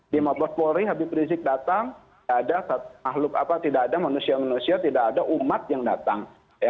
di mabes polri habib rizik datang tidak ada manusia manusia tidak ada umat yang datang